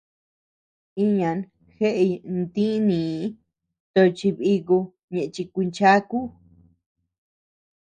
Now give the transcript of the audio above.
Iñan jeʼey ntíni tochi bíku ñeʼe chikuinchákuu.